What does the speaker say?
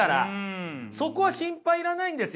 そこは心配いらないんですよ。